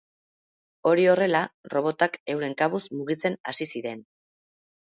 Hori horrela, robotak euren kabuz mugitzen hasi ziren.